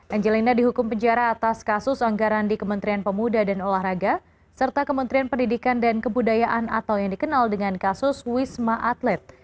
angelina dihukum penjara atas kasus anggaran di kementerian pemuda dan olahraga serta kementerian pendidikan dan kebudayaan atau yang dikenal dengan kasus wisma atlet